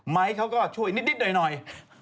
เขาก็ช่วยนิดหน่อย